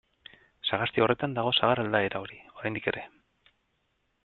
Sagasti horretan dago sagar aldaera hori, oraindik ere.